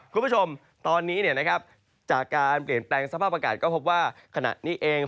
คุณผู้ชมตอนนี้จากการเปลี่ยนแปลงสภาพอากาศก็พบว่าขณะนี้เอง